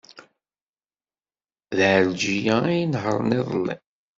D Ɛelǧiya ay inehṛen iḍelli.